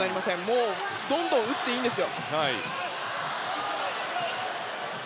もうどんどん打っていいんです。